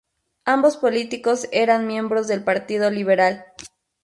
Ambos políticos eran miembros del partido liberal.